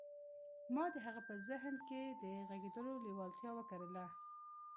ما د هغه په ذهن کې د غږېدلو لېوالتیا وکرله